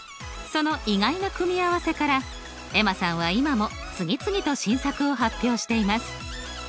その意外な組み合わせからエマさんは今も次々と新作を発表しています。